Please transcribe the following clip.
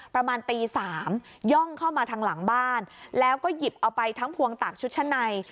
ประมาณตีสามย่องเข้ามาทางหลังบ้านแล้วก็หยิบเอาไปทั้งพวงตากชุดชั้นใน